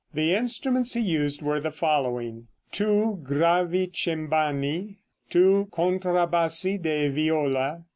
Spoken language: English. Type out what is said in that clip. The instruments used were the following: 2 Gravicembani. 2 Contrabassi de viola.